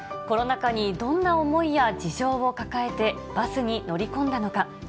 コロナ禍にどんな思いや事情を抱えてバスに乗り込んだのか。